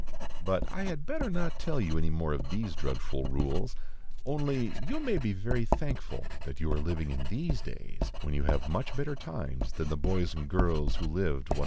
But I had better not tell you any more of these dreadful rules, only you may be very thankful that you are living in these days, when you have much better times than the boys and girls who lived 150 years ago.